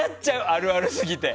あるあるすぎて。